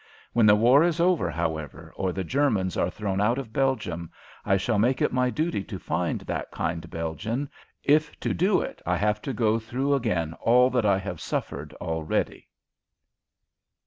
When the war is over, however, or the Germans are thrown out of Belgium, I shall make it my duty to find that kind Belgian, if to do it I have to go through again all that I have suffered already.